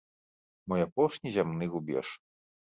Мой апошні зямны рубеж.